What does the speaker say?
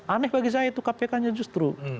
aneh bagi saya itu kpk nya justru